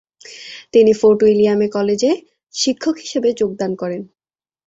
তিনি ফোর্ট উইলিয়ামে কলেজে শিক্ষক হিসেবে যোগদান করেন।